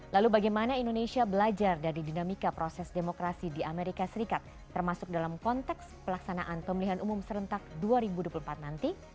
lalu bagaimana indonesia belajar dari dinamika proses demokrasi di amerika serikat termasuk dalam konteks pelaksanaan pemilihan umum serentak dua ribu dua puluh empat nanti